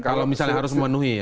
kalau misalnya harus memenuhi ya